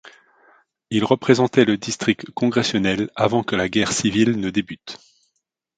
Il représentait le district congressionnel avant que la guerre civile ne débute.